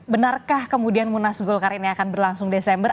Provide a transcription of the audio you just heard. benarkah kemudian munas golkar ini akan berlangsung desember